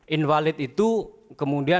invalid itu kemudian